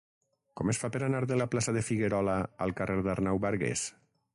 Com es fa per anar de la plaça de Figuerola al carrer d'Arnau Bargués?